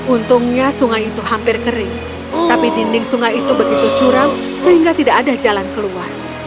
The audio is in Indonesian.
untungnya sungai itu hampir kering tapi dinding sungai itu begitu curam sehingga tidak ada jalan keluar